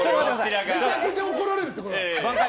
めちゃくちゃ怒られるって。